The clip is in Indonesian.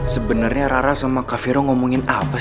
sebenernya rara sama kak vero ngomongin apa sih